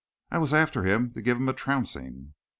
"I was after him to give him a trouncing."